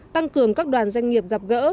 tăng cường các đoàn doanh nghiệp gặp gỡ